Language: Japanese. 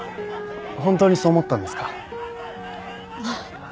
本当にそう思ったんですか？